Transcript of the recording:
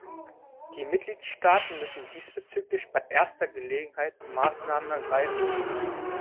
Die Mitgliedstaaten müssen diesbezüglich bei erster Gelegenheit Maßnahmen ergreifen.